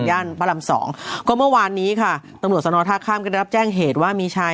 พระรามสองก็เมื่อวานนี้ค่ะตำรวจสนท่าข้ามก็ได้รับแจ้งเหตุว่ามีชาย